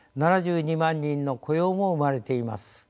７２万人の雇用も生まれています。